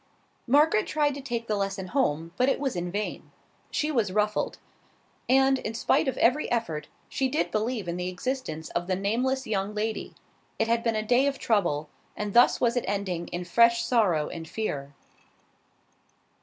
Margaret tried to take the lesson home, but it was in vain. She was ruffled; and, in spite of every effort, she did believe in the existence of the nameless young lady. It had been a day of trouble; and thus was it ending in fresh sorrow and fear.